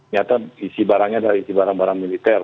nyata isi barangnya dari isi barang barang militer